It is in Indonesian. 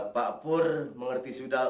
pak pur mengerti sudah